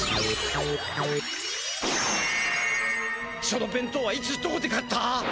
そのべんとうはいつどこで買った？